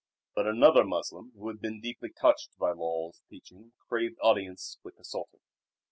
But another Moslem who had been deeply touched by Lull's teaching craved audience with the Sultan.